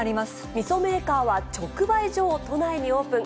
みそメーカーは直売所を都内にオープン。